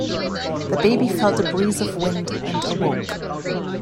The baby felt a breeze of wind and awoke.